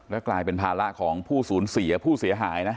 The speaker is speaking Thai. กลายเป็นภาระของผู้สูญเสียผู้เสียหายนะ